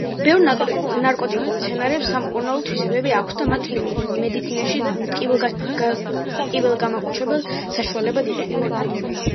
ბევრ ნარკოტიკულ მცენარეებს სამკურნალო თვისებები აქვს და მათ მედიცინაში ტკივილგამაყუჩებელ საშუალებად იყენებენ.